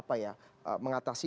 pemerintah yang menguasai